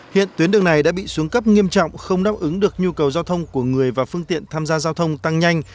hiện tuyến đường này đã bị xuống cấp nghiêm trọng không đáp ứng được nhu cầu giao thông của người và phương tiện tham gia giao thông tăng nhanh